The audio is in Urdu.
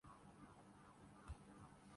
سکھوں یا دیگر مذاہب کی شادیاں ہوں۔